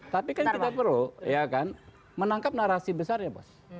tapi kan kita perlu menangkap narasi besar ya bos